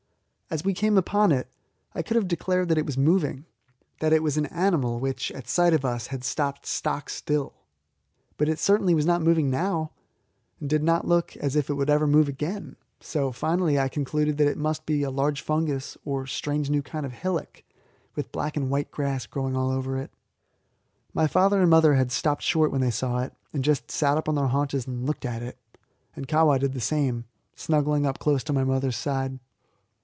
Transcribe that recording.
As we came upon it, I could have declared that it was moving that it was an animal which, at sight of us, had stopped stock still, and tucked its head and toes in underneath it. But it certainly was not moving now, and did not look as if it ever could move again, so finally I concluded that it must be a large fungus or a strange new kind of hillock, with black and white grass growing all over it. My father and mother had stopped short when they saw it, and just sat up on their haunches and looked at it; and Kahwa did the same, snuggling up close to my mother's side.